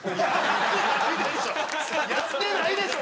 やってないでしょ。